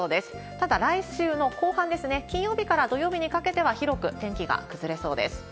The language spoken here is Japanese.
ただ、来週の後半ですね、金曜日から土曜日にかけては広く天気が崩れそうです。